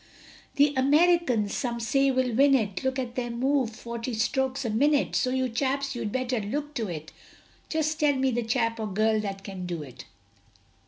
The Americans, some say, will win it, Look at their move, forty strokes a minute, So you chaps you'd better look to it Just tell me the chap or girl that can do it.